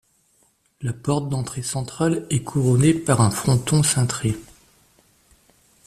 La porte d'entrée centrale est couronnée par un fronton cintré.